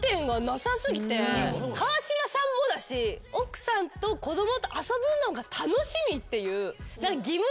川島さんもだし奥さんと子供と遊ぶのが楽しみっていう。